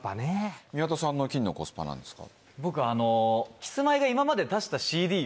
宮田さんの金のコスパは何ですか？